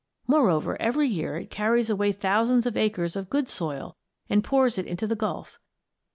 Moreover, every year it carries away thousands of acres of good soil and pours it into the Gulf.